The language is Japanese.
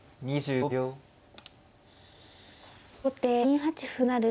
後手２八歩成。